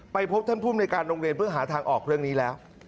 พบท่านภูมิในการโรงเรียนเพื่อหาทางออกเรื่องนี้แล้ว